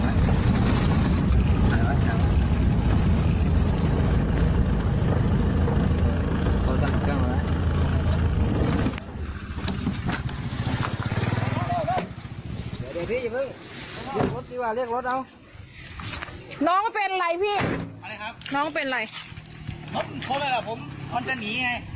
น้องเป็นไร